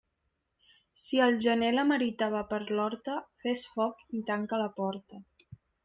Si al gener la merita va per l'horta, fes foc i tanca la porta.